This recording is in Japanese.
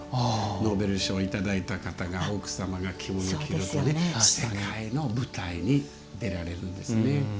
ノーベル賞いただいた方が奥様が着物を着て世界の舞台に出られるんですね。